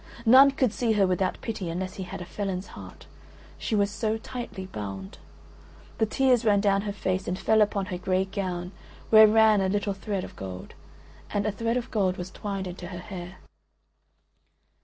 None could see her without pity, unless he had a felon's heart: she was so tightly bound. The tears ran down her face and fell upon her grey gown where ran a little thread of gold, and a thread of gold was twined into her hair.